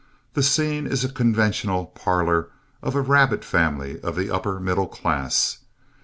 The scene is a conventional parlor of a rabbit family of the upper middle class.